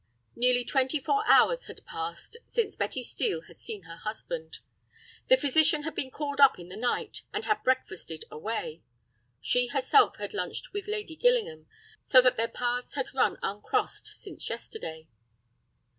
Nearly twenty four hours had passed since Betty Steel had seen her husband. The physician had been called up in the night, and had breakfasted away. She herself had lunched with Lady Gillingham, so that their paths had run uncrossed since yesterday.